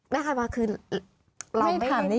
ไม่ถามนี่อยากรู้ไง